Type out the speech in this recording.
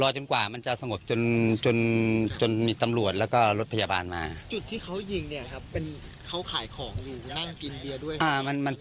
เห็นมั้ยแหละแล้วก็อ๋อต่างคนวิ่ง